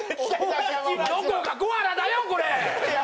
どこがコアラだよこれ！